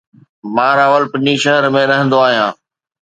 مان راولپنڊي شهر ۾ رهندو آهيان.